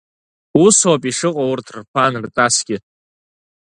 Усоуп ишыҟоу урҭ рԥан, рҵасгьы.